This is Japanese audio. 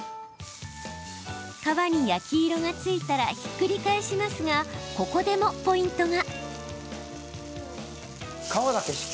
皮に焼き色がついたらひっくり返しますがここでもポイントが。